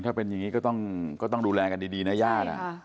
ถ้าเป็นอย่างนี้ก็ต้องดูแลกันดีนะญาติ